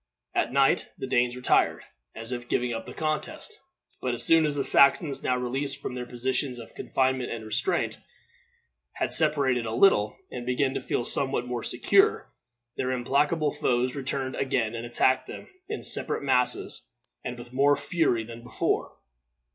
At night the Danes retired, as if giving up the contest; but as soon as the Saxons, now released from their positions of confinement and restraint, had separated a little, and began to feel somewhat more secure, their implacable foes returned again and attacked them in separate masses, and with more fury than before.